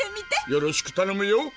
よろしくたのむよ。